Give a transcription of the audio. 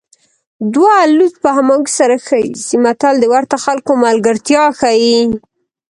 دوه لوڅ په حمام کې سره ښه ایسي متل د ورته خلکو ملګرتیا ښيي